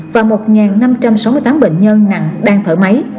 và một năm trăm sáu mươi tám bệnh nhân nặng đang thở máy